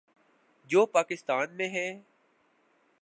جو پاکستان میں ہے۔